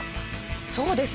そうですね。